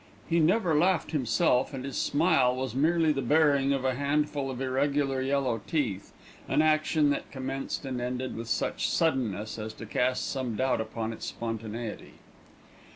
He never laughed himself, and his smile was merely the baring of a handful of irregular yellow teeth, an action that commenced and ended with such suddenness as to cast some doubt upon its spontaneity.